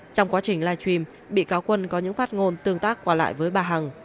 trong quá trình live stream bị cáo quân có những phát ngôn tương tác qua lại với bà hằng